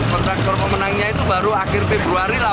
kontraktor pemenangnya itu baru akhir februari lah